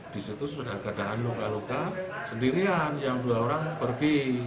di situ sudah keadaan luka luka sendirian yang dua orang pergi